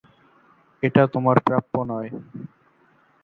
এটা তোমার প্রাপ্য নয়।